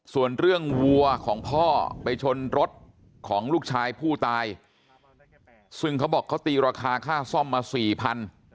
ส่วนเรื่องวัวของพ่อไปชนรถของลูกชายผู้ตายซึ่งเขาบอกเขาตีราคาค่าซ่อมมาสี่พัน